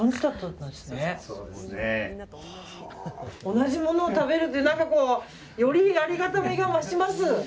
同じものを食べるってよりありがたみが増します。